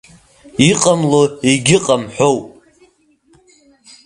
Иҟамло егьыҟам ҳәоуп.